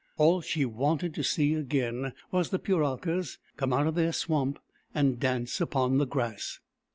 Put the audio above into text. All she wanted to see again was the Puralkas come out of their swamp and dance upon the grass.